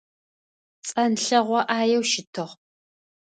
Цӏэнлъэгъо ӏаеу щытыгъ.